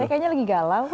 saya kayaknya lagi galau